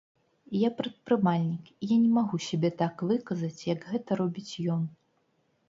Я прадпрымальнік, я не магу сябе так выказаць, як гэта робіць ён.